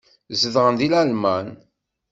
Zedɣen deg Lalman.